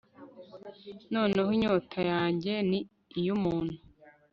Noneho inyota yanjye ni iyumuntu